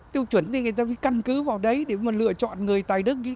tiêu chuẩn thì người ta phải căn cứ vào đấy để mà lựa chọn người tài đức